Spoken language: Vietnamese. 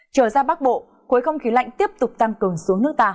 trở ra bắc bộ khối không khí lạnh tiếp tục tăng cường xuống nước ta